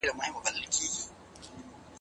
هغه څوک چي پلان جوړوي منظم وي!!